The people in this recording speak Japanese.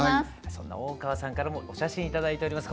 そんな大川さんからもお写真頂いております。